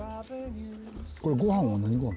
これご飯は何ご飯？